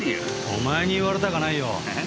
お前に言われたかないよ。